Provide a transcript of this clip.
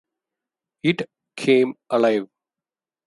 It came alive.